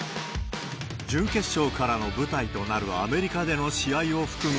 準決勝からの舞台となるアメリカでの試合を含む